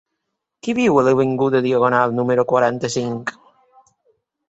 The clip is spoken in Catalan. Qui viu a l'avinguda Diagonal número quaranta-cinc?